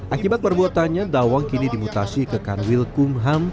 akibat perbuatannya dawang kini dimutasi ke kanwil kumham